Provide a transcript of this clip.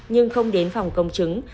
nhưng không đến phòng công chứng